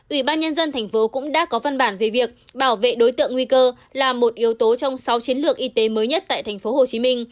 ủy ban nhân dân thành phố cũng đã có văn bản về việc bảo vệ đối tượng nguy cơ là một yếu tố trong sáu chiến lược y tế mới nhất tại tp hcm